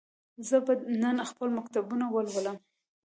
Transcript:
زه به نن خپل مکتوبونه ولولم.